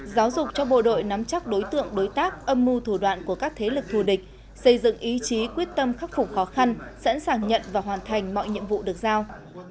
giáo dục cho bộ đội nắm chắc đối tượng đối tác âm mưu thủ đoạn của các thế lực thù địch xây dựng ý chí quyết tâm khắc phục khó khăn sẵn sàng nhận và hoàn thành mọi nhiệm vụ được giao